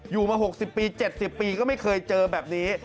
มา๖๐ปี๗๐ปีก็ไม่เคยเจอแบบนี้